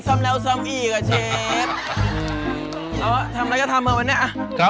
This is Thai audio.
สวัสดีครับตัวจริง